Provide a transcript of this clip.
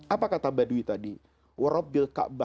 apa kata baduy tadi